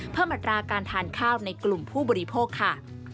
อัตราการทานข้าวในกลุ่มผู้บริโภคค่ะ